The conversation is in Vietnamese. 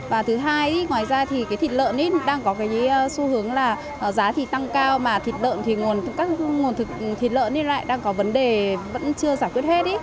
và thứ hai ngoài ra thì thịt lợn đang có xu hướng là giá thịt tăng cao mà thịt lợn thì các nguồn thực thịt lợn lại đang có vấn đề vẫn chưa giải quyết hết